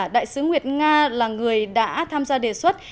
đại sứ nguyệt nga là người đã tham gia đề xuất